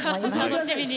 楽しみに。